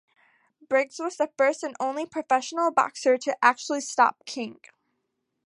Briggs was the first and only professional boxer to actually stop King.